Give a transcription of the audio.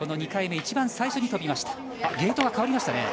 ２回目、一番最初に飛びました。